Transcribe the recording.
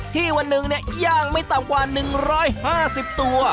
ที่วันหนึ่งเนี่ยย่างไม่ต่ำกว่า๑๕๐ตัว